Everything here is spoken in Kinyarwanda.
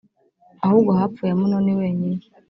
ahubwo hapfuye Amunoni wenyine.